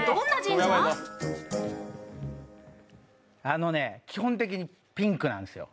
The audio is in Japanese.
あのね、基本的にピンクなんですよ。